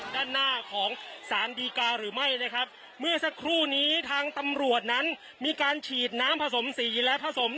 ด้านหน้าของสารดีกาหรือไม่นะครับเมื่อสักครู่นี้ทางตำรวจนั้นมีการฉีดน้ำผสมสีและผสม